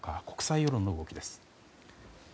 国際の動きです。